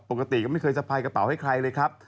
ปกติก็ไม่เคยสะพายกระเป๋าให้ใครเลยครับ